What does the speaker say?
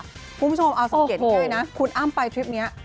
คุณผู้ชมเอาสังเกตง่ายนะคุณอ้ำไปทริปนี้